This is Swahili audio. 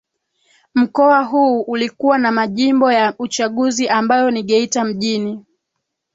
mkoa huu ulikuwa na majimbo ya uchaguzi ambayo ni Geita Mjini